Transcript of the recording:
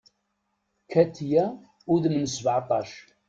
Katiya, udem n sbeɛtac.